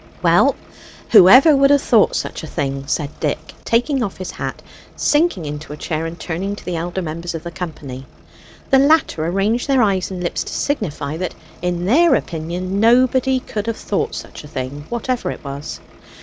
"Well, whoever would have thought such a thing?" said Dick, taking off his hat, sinking into a chair, and turning to the elder members of the company. The latter arranged their eyes and lips to signify that in their opinion nobody could have thought such a thing, whatever it was.